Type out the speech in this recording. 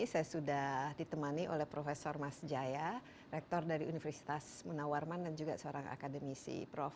saya sudah ditemani oleh prof mas jaya rektor dari universitas munawarman dan juga seorang akademisi prof